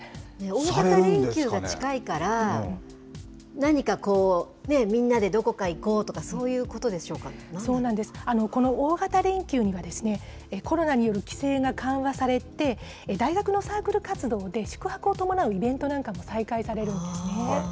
大型連休が近いから、何かこう、みんなでどこか行こうとか、そうなんです、この大型連休には、コロナによる規制が緩和されて、大学のサークル活動で宿泊を伴うイベントなんかも再開されるんですね。